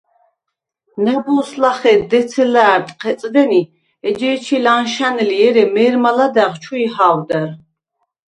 ნა̈ბოზს ლახე დეცე ლა̄̈რტყ ხეწდენი, ეჯ’ე̄ჩი ლა̈ნშა̈ნ ლი, ერე მე̄რმა ლადა̈ღ ჩუ იჰა̄ვდა̈რ.